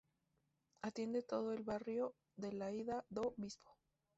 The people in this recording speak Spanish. Atiende todo el barrio de la Ilha do Bispo.